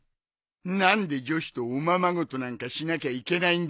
何で女子とおままごとなんかしなきゃいけないんだ！